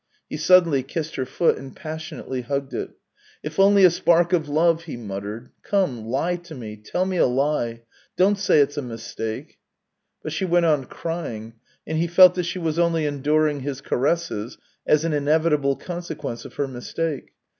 He suddenly kissed her foot and passionately hugged it. " If only a spark of love," he muttered. " Come, lie to me; tell me a lie ! Don't say it's a mistake !..." But she went on crying, and he felt that she was only enduring his caresses as an inevitable conse quence of her mistake.